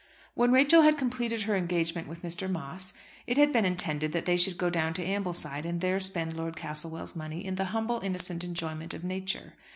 When Rachel had completed her engagement with Mr. Moss, it had been intended that they should go down to Ambleside and there spend Lord Castlewell's money in the humble innocent enjoyment of nature.